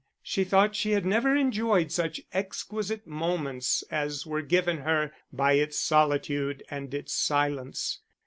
She thought she had never enjoyed such exquisite moments as were given her by its solitude and its silence.